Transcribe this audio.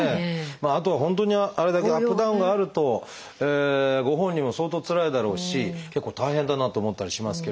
あと本当にあれだけアップダウンがあるとご本人も相当つらいだろうし結構大変だなと思ったりしますけれど。